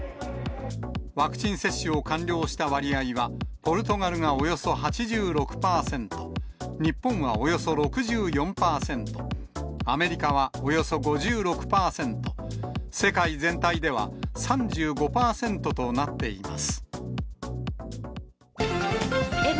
ワクチン接種を完了した割合は、ポルトガルがおよそ８６％、日本はおよそ６４％、アメリカはおよそ５６％、世界全体では３５％となっています。